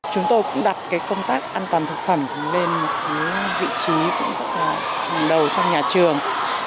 chúng tôi cũng đặt cái công tác an toàn thực phẩm lên cái vị trí cũng rất là đầu trong nhà trường